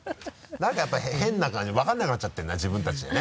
何かやっぱり変な感じ分かんなくなっちゃってるな自分たちでね。